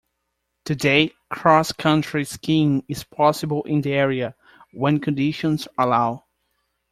Today, cross country skiing is possible in the area, when conditions allow.